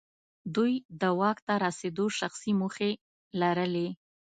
دوی د واک ته رسېدو شخصي موخې لرلې.